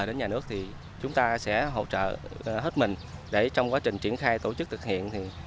đến nhà nước thì chúng ta sẽ hỗ trợ hết mình để trong quá trình triển khai tổ chức thực hiện